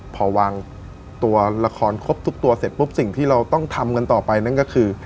พอวางตัวละครครบทุกตัวเสร็จปุ๊บสิ่งที่เราต้องทำกันต่อไปนั่นก็คือ